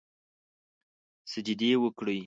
سجدې وکړي